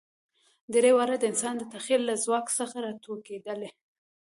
درې واړه د انسان د تخیل له ځواک څخه راټوکېدلي.